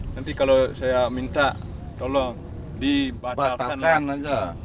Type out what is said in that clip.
nanti kalau saya minta tolong dibatalkan lagi